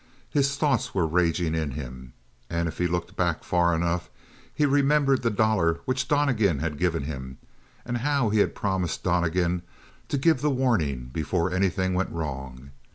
His thoughts were raging in him, and if he looked back far enough he remembered the dollar which Donnegan had given him; and how he had promised Donnegan to give the warning before anything went wrong.